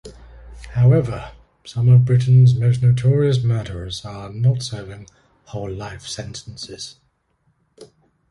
However, some of Britain's most notorious murderers are not serving whole-life sentences.